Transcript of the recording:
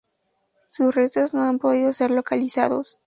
Sus restos no han podido ser localizados.